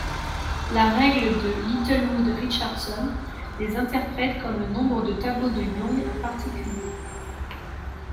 La règle de Littlewood-Richardson les interprète comme le nombre de tableaux de Young particuliers.